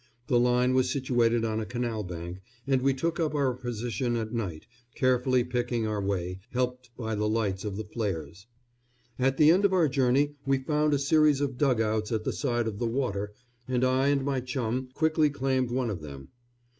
The line was situated on a canal bank, and we took up our position at night, carefully picking our way, helped by the lights of the flares. At the end of our journey we found a series of dug outs at the side of the water, and I and my chum quickly claimed one of them.